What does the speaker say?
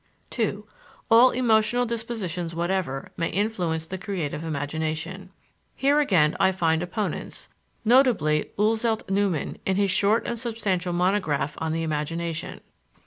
2. All emotional dispositions whatever may influence the creative imagination. Here, again, I find opponents, notably Oelzelt Newin, in his short and substantial monograph on the imagination.